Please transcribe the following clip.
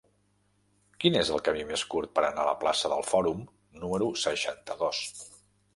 Quin és el camí més curt per anar a la plaça del Fòrum número seixanta-dos?